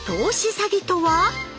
詐欺とは？